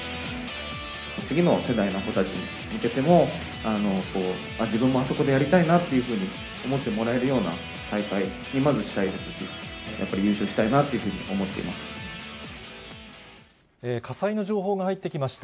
次の世代の子たちに向けても、自分もあそこでやりたいなっていうふうに思ってもらえるような大会にまずしたいですし、やっぱり優勝したいなというふうに思って火災の情報が入ってきました。